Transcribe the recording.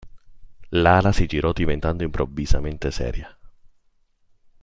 Lala si girò diventando improvvisamente seria.